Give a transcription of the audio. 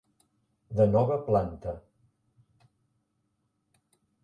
De nova planta.